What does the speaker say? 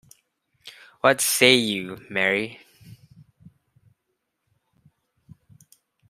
What say you, Mary?